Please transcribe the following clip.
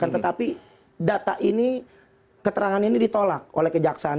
tetapi data ini keterangan ini ditolak oleh kejaksaan